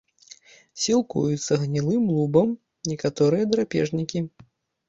Сілкуюцца гнілым лубам, некаторыя драпежнікі.